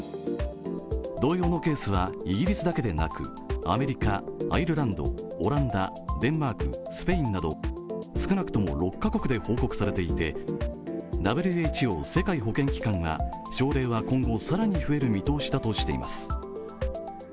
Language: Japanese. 同様のケースはイギリスだけでなくアメリカ、アイルランド、オランダ、デンマークスペインなど、少なくとも６か国で報告されていてＷＨＯ＝世界保健機関が症例は今後、更に増える見通しだとしています。